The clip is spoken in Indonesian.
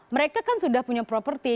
mereka kan sudah punya properti